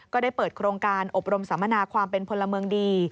ก็ได้เปิดโครงการอบรมสัมมนาความเป็นพลเมืองดี